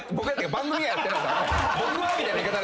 番組はやってない。